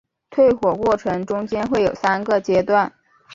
退火过程中间会有三个阶段。